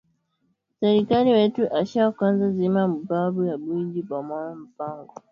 Serkali wetu asha kwanza miza mubaya ya bwiji bwa ma mpango